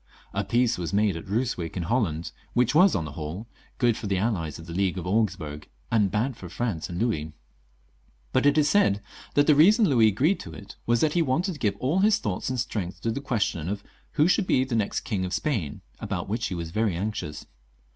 A peace was made at Eyswick in ^Holland, which was, on the whole, good for the allied of the League of Augsburg, and bad for France and Louis ; but it is said that the reason Louis agreed to it was that he wanted to give all his thoughts and strength to the question of who should be the next King of Spain, about which he was very anxious.